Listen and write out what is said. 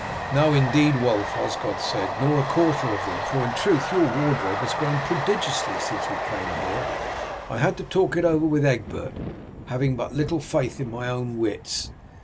"No indeed, Wulf," Osgod said, "nor a quarter of them, for in truth your wardrobe has grown prodigiously since we came here. I had to talk it over with Egbert, having but little faith in my own wits.